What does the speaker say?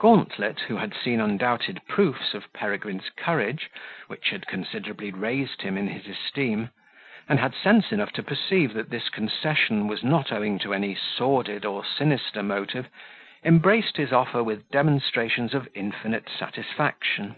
Gauntlet, who had seen undoubted proofs of Peregrine's courage, which had considerably raised him in his esteem, and had sense enough to perceive that this concession was not owing to any sordid or sinister motive, embraced his offer with demonstrations of infinite satisfaction.